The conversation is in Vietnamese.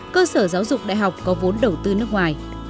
cơ sở giáo dục đại học có vốn đầu tư nước ngoài